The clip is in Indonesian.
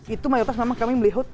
itu mayoritas memang kami melihat